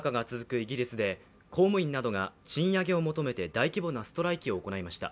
イギリスで、公務員などが賃上げを求めて大規模なストライキを行いました。